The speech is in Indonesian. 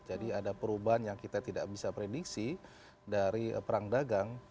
jadi ada perubahan yang kita tidak bisa prediksi dari perang dagang